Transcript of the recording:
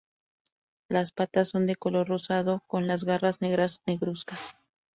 Las patas son de color rosado, con las garras negras negruzcas.